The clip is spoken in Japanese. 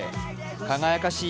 輝かしい